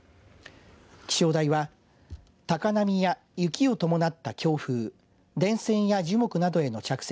気象台は高波や雪を伴った強風電線や樹木などへの着雪